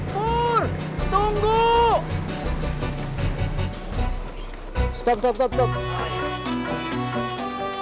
pokok di kasih